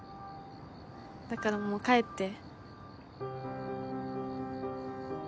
だからもう帰って。